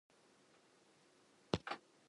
One had had his leg crudely amputated.